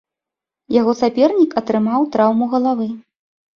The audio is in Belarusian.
Яго сапернік атрымаў траўму галавы.